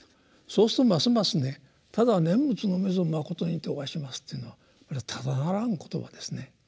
そうするとますますね「ただ念仏のみぞまことにておはします」っていうのはこれただならぬ言葉ですね。